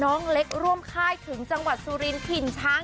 น้องเล็กร่วมค่ายถึงจังหวัดสุรินถิ่นช้าง